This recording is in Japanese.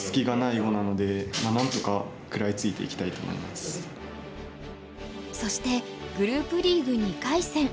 そしてそしてグループリーグ２回戦。